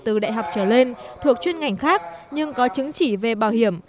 từ đại học trở lên thuộc chuyên ngành khác nhưng có chứng chỉ về bảo hiểm